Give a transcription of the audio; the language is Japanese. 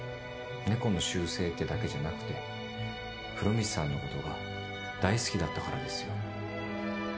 「猫の習性ってだけじゃなくて風呂光さんのことが大好きだったからですよ」